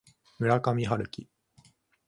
村上春樹